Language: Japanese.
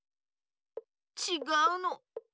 ちがうの。